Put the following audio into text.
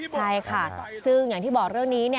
ใช่ค่ะซึ่งอย่างที่บอกเรื่องนี้